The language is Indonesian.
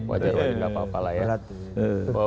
wajar wajar gak apa apalah ya